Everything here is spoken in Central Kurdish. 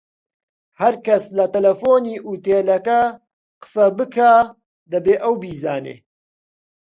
هەرکەس لە تەلەفۆنی ئوتێلەکە قسە بکا دەبێ ئەو بیزانێ